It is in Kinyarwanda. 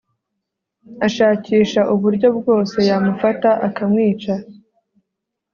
ashakisha uburyo bwose yamufata, akamwica